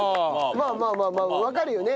まあまあまあまあわかるよね。